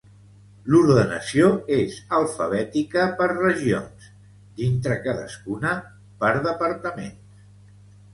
L'ordenació és alfabètica per regions; dintre cadascuna, per departaments.